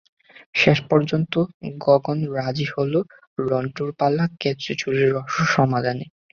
শেষ পর্যন্ত গগন রাজি হলো রন্টুর পালা কেঁচো চুরির রহস্য সমাধানে।